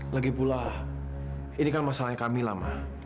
lagipula ini kan masalahnya kamila ma